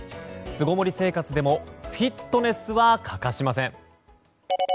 巣ごもり生活でもフィットネスは欠かしません。